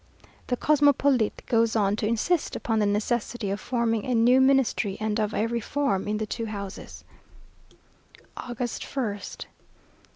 The "Cosmopolite" goes on to insist upon the necessity of forming a new ministry and of a reform in the two houses. August 1st.